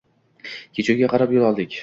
Kechuvga qarab yoʻl oldik